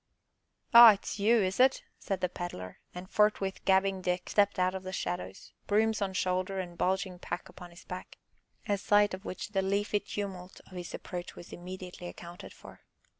"Oh, it's you, is it?" said the Pedler, and forthwith Gabbing Dick stepped out of the shadows, brooms on shoulder and bulging pack upon his back, at sight of which the leafy tumult of his approach was immediately accounted for.